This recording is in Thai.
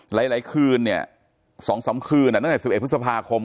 หลายหลายคืนเนี่ยสองสองคืนน่ะตั้งแต่สิบเอ็กซ์พฤษภาคม